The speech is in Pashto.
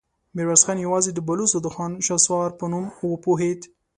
ميرويس خان يواځې د بلوڅو د خان شهسوار په نوم وپوهېد.